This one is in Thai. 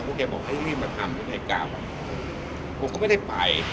เขาบอกให้ให้มาทำอายะกาบงูก็ไม่ได้ไป